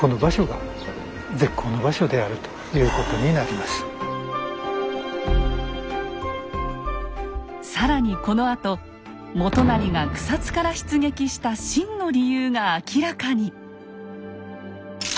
つまり更にこのあと元就が草津から出撃した真の理由が明らかに！